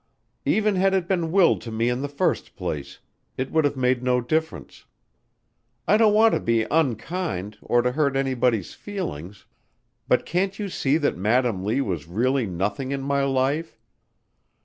"Even had it been willed to me in the first place, it would have made no difference. I don't want to be unkind or to hurt anybody's feelings. But can't you see that Madam Lee was really nothing in my life?